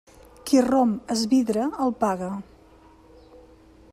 Qui romp es vidre el paga.